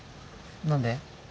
何で？